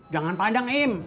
jangan padang im